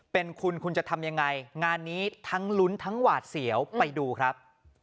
เป็นคุณคุณจะทำยังไงงานนี้ทั้งลุ้นทั้งหวาดเสียวไปดูครับ